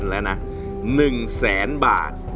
แปปแหม่ขึ้น